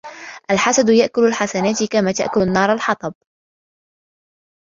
الْحَسَدُ يَأْكُلُ الْحَسَنَاتِ كَمَا تَأْكُلُ النَّارُ الْحَطَبَ